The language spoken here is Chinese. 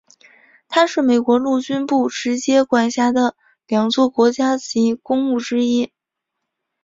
它是美国陆军部直接管辖的两座国家级公墓之一。